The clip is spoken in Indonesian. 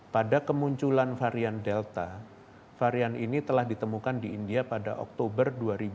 pada kemunculan varian delta varian ini telah ditemukan di india pada oktober dua ribu dua puluh